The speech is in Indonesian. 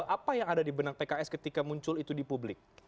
apa yang ada di benak pks ketika muncul itu di publik